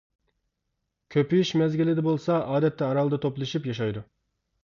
كۆپىيىش مەزگىلىدە بولسا، ئادەتتە ئارالدا توپلىشىپ ياشايدۇ.